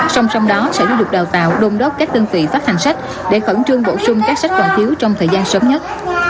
sông sông đó sẽ được đào tạo đồn đốt các tương tự phát hành sách để khẩn trương bổ sung các sách còn thiếu trong thời gian sớm nhất